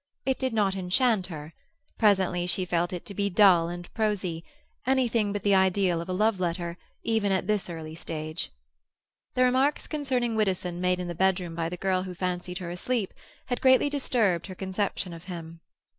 It did not enchant her; presently she felt it to be dull and prosy—anything but the ideal of a love letter, even at this early stage. The remarks concerning Widdowson made in the bedroom by the girl who fancied her asleep had greatly disturbed her conception of him.